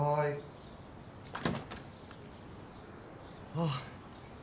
あっ。